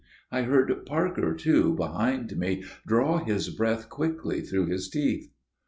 I heard Parker, too, behind me draw his breath quickly through his teeth.